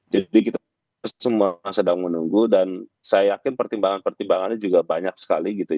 jadi kita semua sedang menunggu dan saya yakin pertimbangan pertimbangannya juga banyak sekali gitu